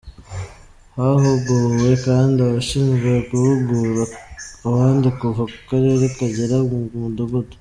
Hahuguwe kandi abashinzwe guhugura abandi kuva ku karere kugera ku mudugudu.